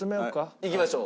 いきましょう。